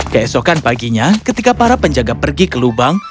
keesokan paginya ketika para penjaga pergi ke lubang